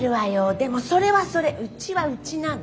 でもそれはそれうちはうちなの。